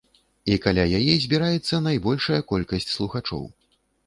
І каля яе збіраецца найбольшая колькасць слухачоў.